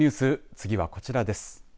次はこちらです。